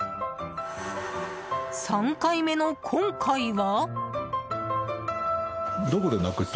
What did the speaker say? ３回目の今回は？